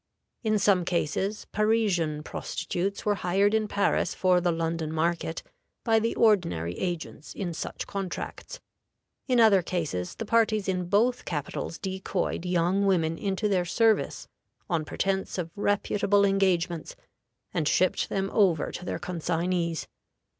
In some cases, Parisian prostitutes were hired in Paris for the London market by the ordinary agents in such contracts; in other cases, the parties in both capitals decoyed young women into their service on pretense of reputable engagements, and shipped them over to their consignees.